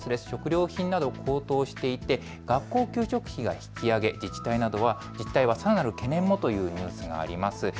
食料品など高騰していて学校給食費が引き上げ、自治体はさらなる懸念もというニュースがあります。